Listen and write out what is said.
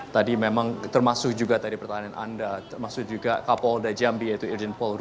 tadi memang termasuk juga pertahanan anda termasuk juga kapolda jambi yaitu irjen polrus di harto